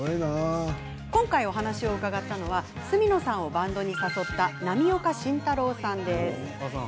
今回、お話を伺ったのは角野さんをバンドに誘った浪岡真太郎さん。